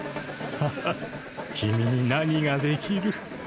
ハハ君に何ができる？